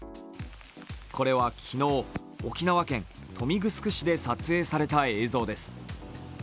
これは昨日、沖縄県豊見城市で撮影された映像です。